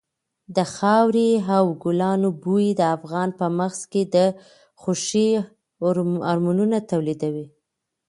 د خاورې او ګلانو بوی د انسان په مغز کې د خوښۍ هارمونونه تولیدوي.